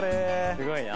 すごいな。